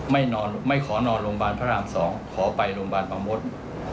ไม่ขอนอนโรงพยาบาลพระราม๒ขอไปโรงพยาบาลประมด